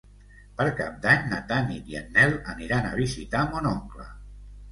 Per Cap d'Any na Tanit i en Nel aniran a visitar mon oncle.